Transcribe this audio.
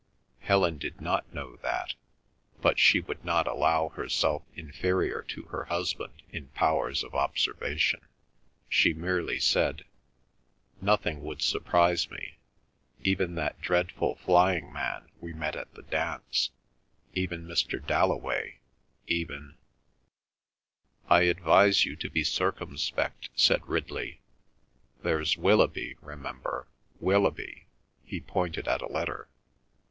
Helen did not know that, but she would not allow herself inferior to her husband in powers of observation. She merely said: "Nothing would surprise me. Even that dreadful flying man we met at the dance—even Mr. Dalloway—even—" "I advise you to be circumspect," said Ridley. "There's Willoughby, remember—Willoughby"; he pointed at a letter.